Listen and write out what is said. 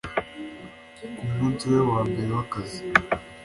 Ku munsi we wa mbere w’akazi